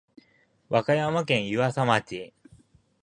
和歌山県湯浅町